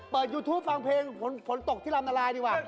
ยูทูปฟังเพลงฝนตกที่ลำนาลายดีกว่า